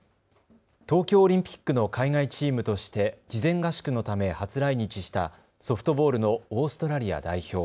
東京オリンピックの海外チームとして事前合宿のため初来日したソフトボールのオーストラリア代表。